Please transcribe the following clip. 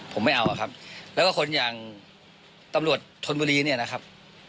ผมไม่เอาครับแล้วก็คนอย่างตำรวจธนบุรีเนี่ยนะครับ